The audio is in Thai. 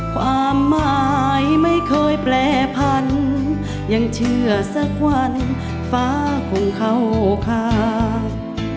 ความหมายไม่เคยแปรพันธุ์ยังเชื่อสักวันฟ้าคงเข้าข้าง